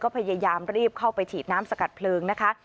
ก็พยายามรีบเข้าไปฉีดน้ำสกัดเพลิงนะคะ